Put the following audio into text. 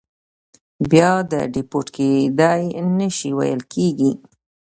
بیا دیپورت کېدای نه شي ویل کېږي.